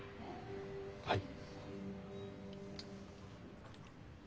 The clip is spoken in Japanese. はい。